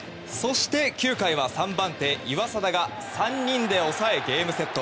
９回は３番手、岩貞が３人で抑えゲームセット。